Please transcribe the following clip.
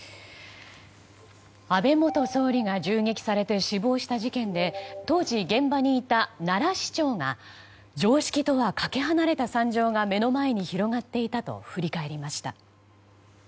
安倍元総理が銃撃されて死亡した事件で当時、現場にいた奈良市長が常識とはかけ離れた惨状が目の前に広がっていたと振り返りました。